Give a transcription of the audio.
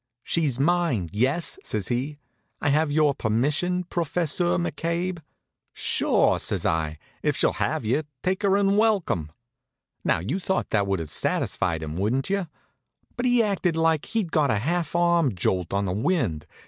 "She's mine, yes?" says he. "I have your permission, Professeur McCabe?" "Sure," says I. "If she'll have you, take her and welcome." Now you'd thought that would have satisfied him, wouldn't you? But he acted like he'd got a half arm jolt on the wind.